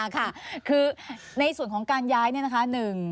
คือในส่วนของการย้ายเนี่ยนะคะ